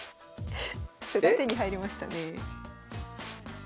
歩が手に入りましたね。